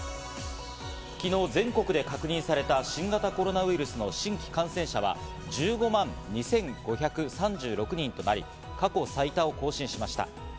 昨日、全国で確認された新型コロナウイルスの新規感染者は、１５万２５３６人となり過去最多を更新しました。